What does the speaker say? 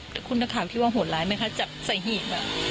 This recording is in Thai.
ถ้าคุณจะถามคิดว่าโหดร้ายไหมคะจับใส่หีก